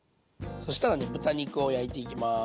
そしたらね豚肉を焼いていきます。